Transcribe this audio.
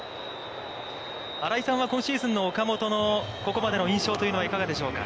新井さんは今シーズンの岡本のここまでの印象というのはいかがでしょうか。